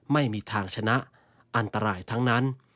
ไม่มีทางชนะอันตรายทั้งนั้น